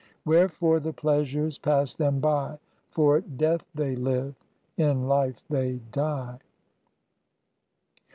Wherefore the Pleasures pass them by: For death they live, in life they die.